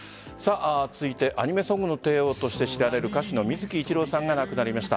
続いてアニメソングの帝王として知られる歌手の水木一郎さんが亡くなりました。